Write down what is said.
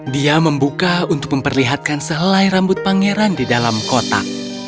dia membuka untuk memperlihatkan sehelai rambut pangeran di dalam kotak